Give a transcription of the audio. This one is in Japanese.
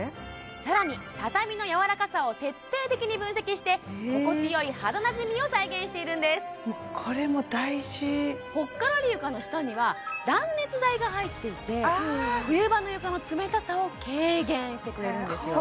更に畳のやわらかさを徹底的に分析して心地よい肌なじみを再現しているんですこれも大事ほっカラリ床の下には断熱材が入っていてしてくれるんですよ